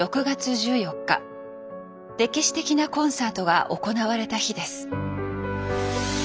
歴史的なコンサートが行われた日です。